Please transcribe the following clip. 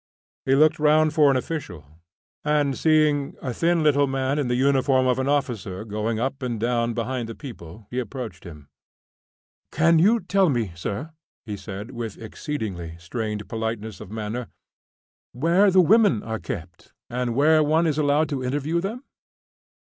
He looked round for an official, and seeing a thin little man in the uniform of an officer going up and down behind the people, he approached him. "Can you tell me, sir," he said, with exceedingly strained politeness of manner, "where the women are kept, and where one is allowed to interview them?"